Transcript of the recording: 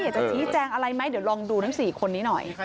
อยากจะชี้แจงอะไรไหมเดี๋ยวลองดูทั้ง๔คนนี้หน่อย